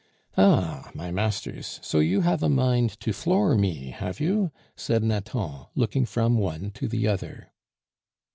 "Ah! my masters, so you have a mind to floor me, have you?" said Nathan, looking from one to the other.